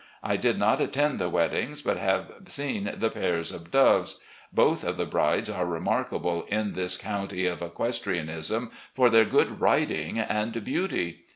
I did not attend the weddings, but have seen the pairs of doves. Both of the brides are remarkable in this county of equestrianism for their good riding and beauty.